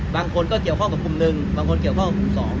บางคนก็เกี่ยวข้องกับกลุ่มหนึ่งบางคนเกี่ยวข้องกับกลุ่ม๒